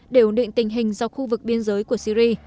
để ổn định tình hình dọc khu vực biên giới của syri